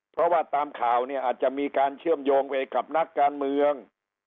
เพราะว่าตามข่าวเนี่ยอาจจะมีการเชื่อมโยงไปกับนักการเมือง